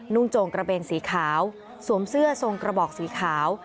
โจงกระเบนสีขาวสวมเสื้อทรงกระบอกสีขาว